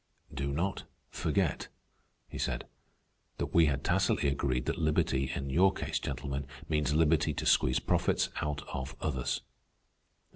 "Do not forget," he said, "that we had tacitly agreed that liberty in your case, gentlemen, means liberty to squeeze profits out of others."